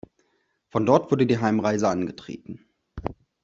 Von dort wurde die Heimreise angetreten.